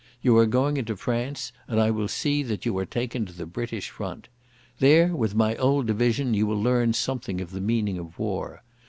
You are going into France, and I will see that you are taken to the British front. There with my old division you will learn something of the meaning of war.